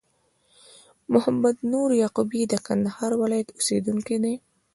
محمد نور یعقوبی د کندهار ولایت اوسېدونکی دي